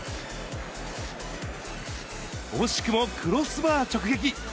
惜しくもクロスバー直撃。